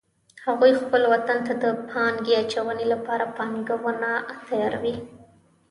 هغوی خپل وطن ته د پانګې اچونې لپاره پلانونه تیار وی